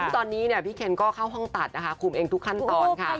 ซึ่งตอนนี้พี่เคนก็เข้าห้องตัดนะคะคุมเองทุกขั้นตอนค่ะ